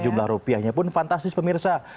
jumlah rupiahnya pun fantastis pemirsa